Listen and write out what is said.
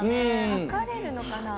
測れるのかな？